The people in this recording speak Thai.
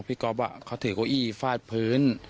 พี่ก๊อฟอะเขาถือก้อยี่ฟาดพื้น